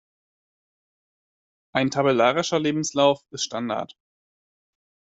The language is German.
Ein tabellarischer Lebenslauf ist Standard.